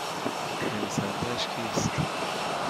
نویسندهاش کیست؟